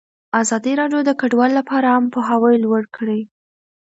ازادي راډیو د کډوال لپاره عامه پوهاوي لوړ کړی.